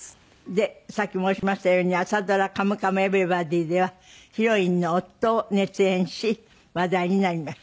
でさっき申しましたように朝ドラ『カムカムエヴリバディ』ではヒロインの夫を熱演し話題になりました。